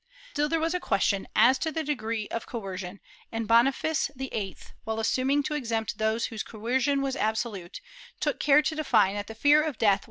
Still there was a question as to the degree of coercion and Boniface VIII, while assuming to exempt those whose coercion was abso lute, took care to define that the fear of death was not such * MS.